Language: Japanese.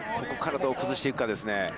ここから、どう崩していくかですね。